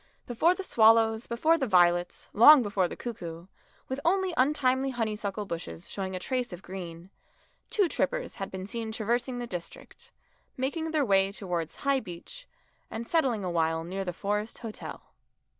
Before the swallows, before the violets, long before the cuckoo, with only untimely honeysuckle bushes showing a trace of green, two trippers had been seen traversing the district, making their way towards High Beech, and settling awhile near the Forest Hotel.